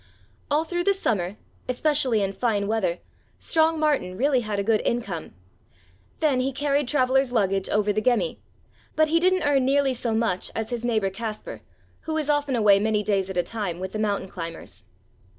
All through the Summer, especially in fine weather, strong Martin really had a good income; then he carried travelers' luggage over the Gemmi, but he didn't earn nearly so much as his neighbor Kaspar, who was often away many days at a time with the mountain climbers.